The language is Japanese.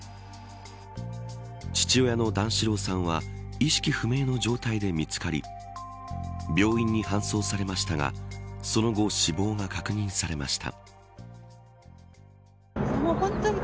父親の段四郎さんは意識不明の状態で見つかり病院に搬送されましたがその後、死亡が確認されました。